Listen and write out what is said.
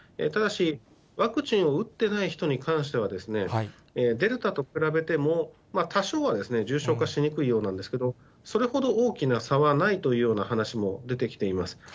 ただし、ワクチンを打ってない人に関しては、デルタと比べても、多少は重症化しにくいようなんですけれども、それほど大きな差はないというような話も出てきています。